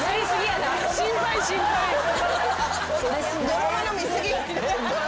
ドラマの見過ぎ？